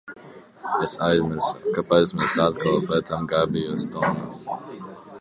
Es aizmirsu, kāpēc mēs atkal pētām Gabiju Stounu?